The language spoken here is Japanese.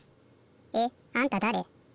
えっあんただれ？